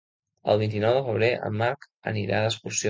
El vint-i-nou de febrer en Marc anirà d'excursió.